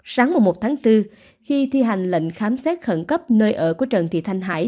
sáng một một khi thi hành lệnh khám xét khẩn cấp nơi ở của trần thị thanh hải